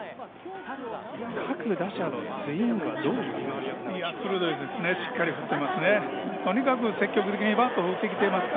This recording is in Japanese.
各打者のスイングをどう見ますか。